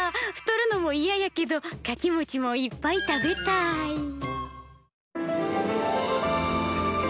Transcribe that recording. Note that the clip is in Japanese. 太るのもいややけどかきもちもいっぱい食べたい！